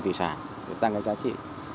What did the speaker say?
tỷ sản tăng cái giá trị